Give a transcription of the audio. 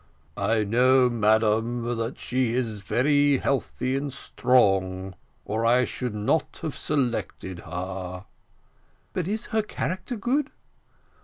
"I know, madam, that she is very healthy and strong, or I should not have selected her." "But is her character good?"